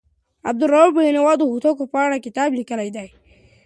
عبدالروف بېنوا د هوتکو په اړه کتاب لیکلی دی.